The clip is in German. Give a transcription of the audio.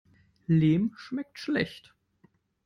Lehm schmeckt schlecht.